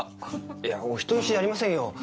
いやお人好しじゃありませんよ。